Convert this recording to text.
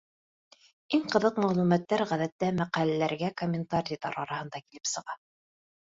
Иң ҡыҙыҡ мәғлүмәттәр, ғәҙәттә, мәҡәләләргә комментарийҙар араһында килеп сыға.